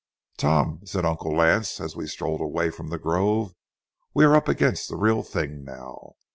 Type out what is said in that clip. "Tom," said Uncle Lance, as we strolled away from the grove, "we are up against the real thing now.